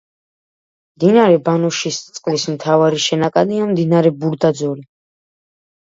მდინარე ბანოშისწყლის მთავარი შენაკადია მდინარე ბურდაძორი.